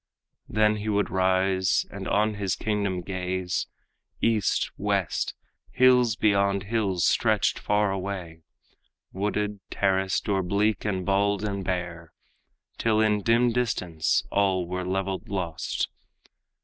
Then he would rise and on his kingdom gaze. East, west, hills beyond hills stretched far away, Wooded, terraced, or bleak and bald and bare, Till in dim distance all were leveled lost.